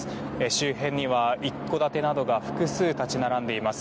周辺には一戸建てなどが複数立ち並んでいます。